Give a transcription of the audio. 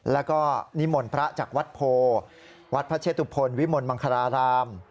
แล้วก็นิมนต์พระจากวัดโพวัดพระเชตุพลวิมลมังคาราราม